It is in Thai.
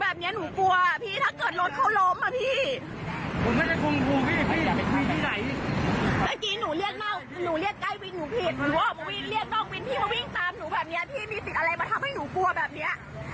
พี่มาวิ่งตามหนูแบบนี้หนูกลัวพี่ถ้าเกิดรถเขาล้มอ่ะพี่